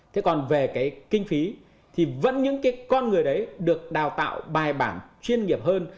thế còn về cái kinh phí thì vẫn những cái con người đấy được đào tạo bài bản chuyên nghiệp hơn